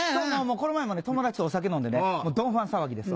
この前も友達とお酒飲んでねドン・ファン騒ぎですわ。